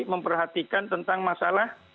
memperhatikan tentang masalah